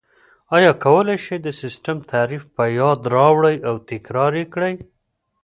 ایا کولای شئ د سیسټم تعریف په یاد راوړئ او تکرار یې کړئ؟